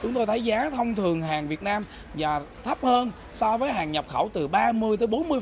chúng tôi thấy giá thông thường hàng việt nam và thấp hơn so với hàng nhập khẩu từ ba mươi tới bốn mươi